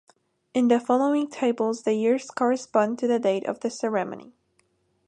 In the following tables, the years correspond to the date of the ceremony.